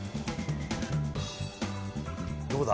どうだ？